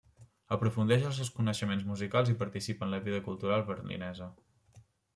Aprofundeix els seus coneixements musicals i participa en la vida cultural berlinesa.